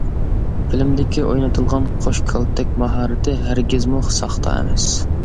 فىلىمدىكى ئوينىتىلغان قوش كالتەك ماھارىتى ھەرگىزمۇ ساختا ئەمەس.